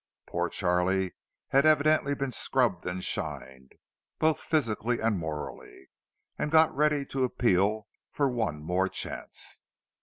Poor Charlie had evidently been scrubbed and shined, both physically and morally, and got ready to appeal for "one more chance."